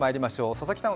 佐々木さん